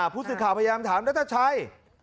ผู้สื่อข่าวพยายามถามนัทชัย